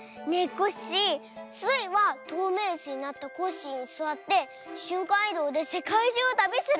コッシースイはとうめいイスになってコッシーにすわってしゅんかんいどうでせかいじゅうをたびする！